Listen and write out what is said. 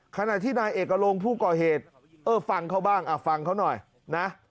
ขณะที่นายเอกลงผู้ก่อเหตุเออฟังเขาบ้างฟังเขาหน่อยนะ